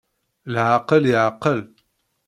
Lɛaqel iɛqel.